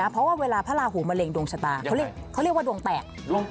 เพราะว่าเวลาพระราหูมะเร็งดวงชะตาเขาเรียกว่าดวงแตก